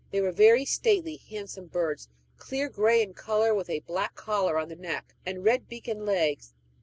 They were very stately, handsome birds, clear gray in color, with a black collar on the neck, and red beak and legs.